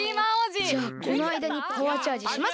じゃあこのあいだにパワーチャージしますか！